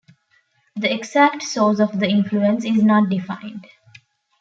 The exact source of the influence is not defined.